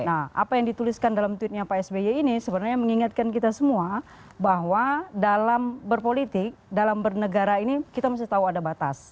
nah apa yang dituliskan dalam tweetnya pak sby ini sebenarnya mengingatkan kita semua bahwa dalam berpolitik dalam bernegara ini kita mesti tahu ada batas